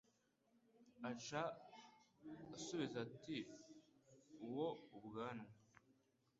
Aca asubiza ati Uwo ubwanwa